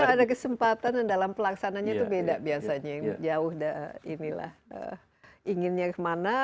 ada kesempatan dalam pelaksananya itu beda biasanya jauh dah inilah inginnya kemana